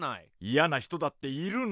嫌な人だっているの。